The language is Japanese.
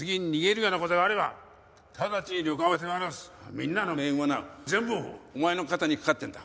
みんなの命運はな全部お前の肩にかかってるんだ。